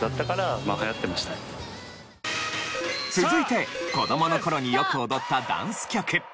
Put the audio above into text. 続いて子どもの頃によく踊ったダンス曲。